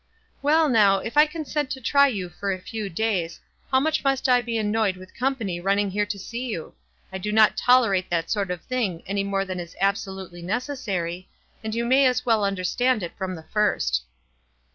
" Well, now, if I consent to try you for a few days, how much must I be annoyed with com pany running here to see you? I do not toler ate that sort of thing any more than is absolutely 302 WISE AND OTHERWISE. necessary, and you may as well understand it from the first."